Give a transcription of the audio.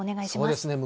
そうですね。